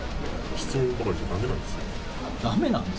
質問ばかりじゃだめなんですよ。